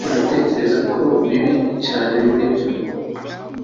ariko ndatekereza ko bibi cyane muri byo